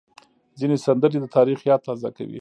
ځینې سندرې د تاریخ یاد تازه کوي.